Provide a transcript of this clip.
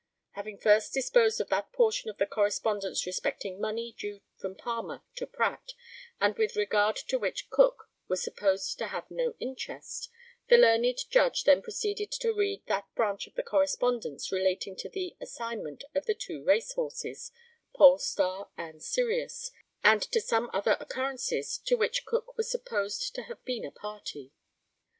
[Having first disposed of that portion of the correspondence respecting money due from Palmer to Pratt, and with regard to which Cook, was supposed to have no interest, the learned judge next proceeded to read that branch of the correspondence relating to the assignment of the two racehorses, Polestar and Sirius, and to some other occurrences to which Cook was supposed to have been a party.